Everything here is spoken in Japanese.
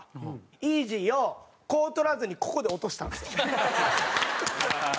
イージーをこう捕らずにここで落としたんですよ。